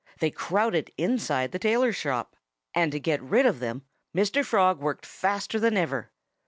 They crowded inside the tailor's shop. And to get rid of them, Mr. Frog worked faster than ever.